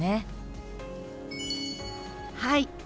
はい。